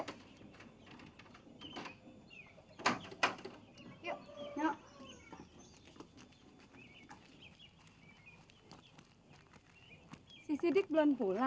hindun dulu di kekiri